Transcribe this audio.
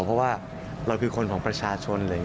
เพราะว่าเราคือคนของประชาชน